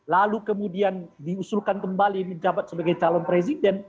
lalu kemudian diusulkan kembali menjabat sebagai calon presiden